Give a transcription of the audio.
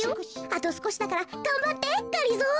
あとすこしだからがんばってがりぞー。